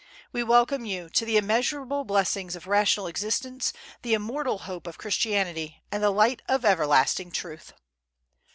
We welcome you to the immeasurable blessings of rational existence, the immortal hope of Christianity, and the light of everlasting truth!"